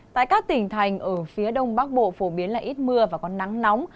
tại các tỉnh thành ở phía đông bắc bộ phổ biến là ít mưa và có nắng nóng